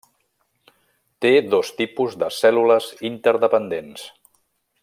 Té dos tipus de cèl·lules interdependents.